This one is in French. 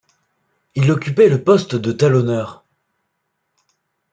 Il occupait le poste de talonneur.